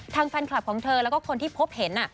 แฟนคลับของเธอแล้วก็คนที่พบเห็น